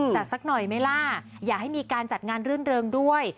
สักหน่อยไหมล่ะอย่าให้มีการจัดงานรื่นเริงด้วย